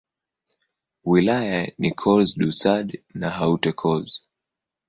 Wilaya ni Corse-du-Sud na Haute-Corse.